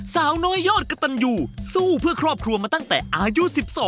สาวน้อยยอดกระตันยูสู้เพื่อครอบครัวมาตั้งแต่อายุ๑๒